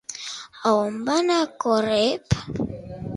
A on va anar Coreb?